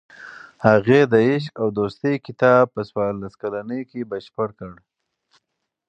هغې د "عشق او دوستي" کتاب په څوارلس کلنۍ کې بشپړ کړ.